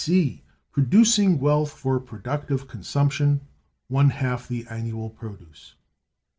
(C) Producing wealth for productive consumption, one half the annual produce.